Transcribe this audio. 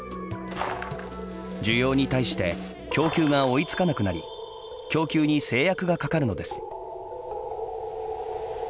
需要に対して供給が追いつかなくなり供給に制約がかかるのです。